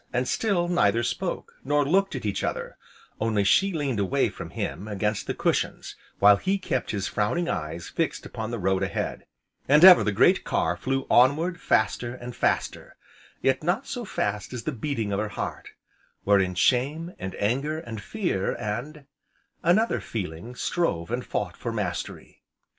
And still neither spoke, nor looked at each other; only she leaned away from him, against the cushions, while he kept his frowning eyes fixed upon the road a head; and ever the great car flew onward faster, and faster; yet not so fast as the beating of her heart, wherein shame, and anger, and fear, and another feeling strove and fought for mastery.